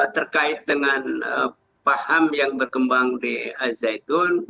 terkait dengan paham yang berkembang di al zaitun